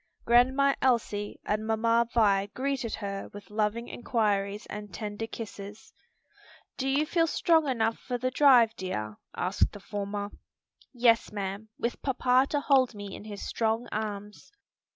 Grandma Elsie and Mamma Vi greeted her with loving inquiries and tender kisses. "Do you feel strong enough for the drive, dear?" asked the former. "Yes, ma'am; with papa to hold me in his strong arms."